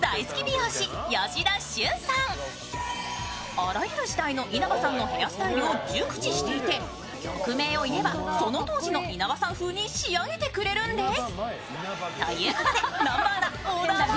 あらゆる時代の稲葉さんのヘアスタイルを熟知していて曲名を言えば、その当時の稲葉さん風に仕上げてくれるんです。